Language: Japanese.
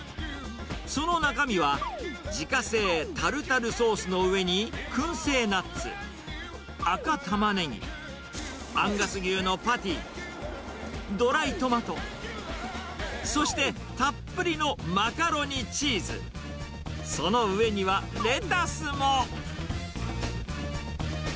その中身は、自家製タルタルソースの上に、くん製ナッツ、赤タマネギ、アンガス牛のパティ、ドライトマト、そしてたっぷりのマカロニチーズ、その上にはレタスも。